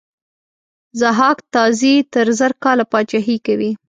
ضحاک تازي تر زر کاله پاچهي کوي.